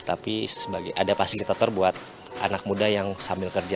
tapi ada fasilitator buat anak muda yang sambil kerja